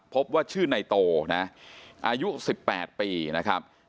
พบว่าชื่อในโตนะอายุ๑๘ปีนะครับ